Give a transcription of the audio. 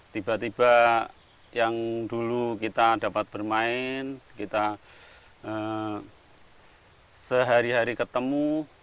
tiba tiba yang dulu kita dapat bermain kita sehari hari ketemu